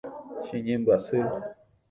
Cheñembyasy.